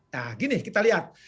nah gini kita lihat